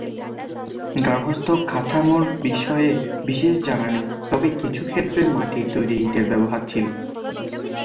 গার্হস্থ্য কাঠামোর বিষয়ে বিশেষ জানা নেই, তবে কিছু ক্ষেত্রে মাটির তৈরী ইটের ব্যবহার ছিল।